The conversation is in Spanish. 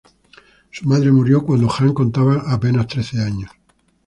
Su madre murió cuando Ján contaba con apenas trece años.